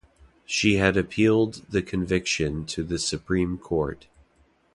She had appealed the conviction to the Supreme Court.